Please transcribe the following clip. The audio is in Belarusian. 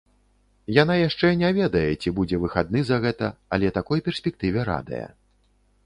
Яна яшчэ не ведае, ці будзе выхадны за гэта, але такой перспектыве радая.